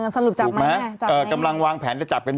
สรุปจับมั้ยแม่จับไหน